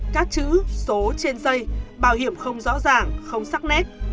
các chữ số trên dây bảo hiểm không rõ ràng không sắc nét